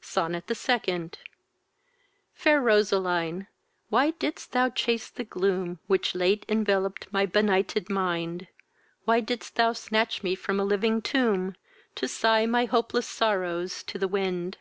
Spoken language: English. SONNET THE SECOND. Fair Roseline, why didst thou chase the gloom Which late envelop'd my benighted mind! Why didst thou snatch me from a living tomb To sigh my hopeless sorrows to the wind!